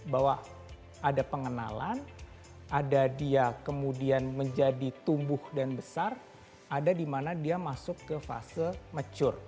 bahwa ada pengenalan ada dia kemudian menjadi tumbuh dan besar ada di mana dia masuk ke fase mature